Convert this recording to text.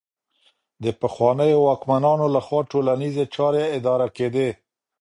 د پخوانيو واکمنانو لخوا ټولنيزې چارې اداره کيدې.